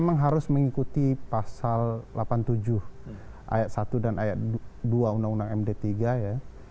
memang harus mengikuti pasal delapan puluh tujuh ayat satu dan ayat dua undang undang md tiga ya